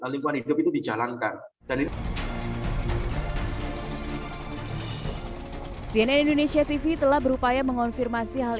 lingkungan hidup itu dijalankan dan cnn indonesia tv telah berupaya mengonfirmasi hal